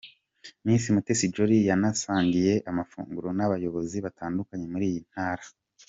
Miss Mutesi Jolly yanasangiye amafunguro n'abayobozi batandukanye muri iyi Ntara.